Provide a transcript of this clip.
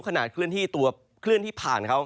เคลื่อนที่ตัวเคลื่อนที่ผ่านเขา